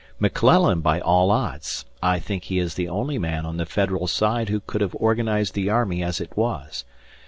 "McClellan, by all odds. I think he is the only man on the Federal side who could have organized the army as it was.